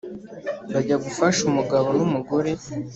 Bajya gufasha umugabo n’umugore